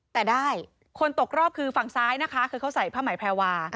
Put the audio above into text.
แต่ได้คนตกรอบคือฝั่งซ้ายนะคะคือเขาใส่ผ้าไหมแพรวา